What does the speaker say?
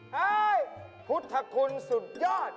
เฮ้ยพุทธคุณสุดยอด